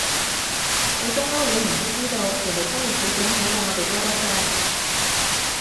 去東歐旅行先知道，人哋生活水準好過我哋多多聲